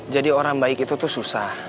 jadi orang baik itu tuh susah